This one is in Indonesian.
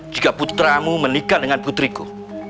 jika putramu menikah dengan putriku